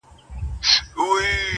ماسومان ترې تېرېږي وېرېدلي ډېر,